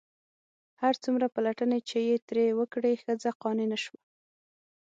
هر څومره پلټنې چې یې ترې وکړې ښځه قانع نه شوه.